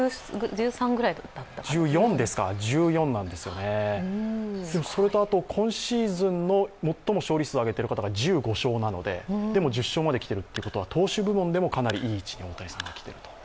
１４なんですよね、それとあと今シーズンの最も勝利数を挙げている方が１５勝なのででも、１０勝まできているということは投手部門でもかなりいい位置に大谷さんが来ていると。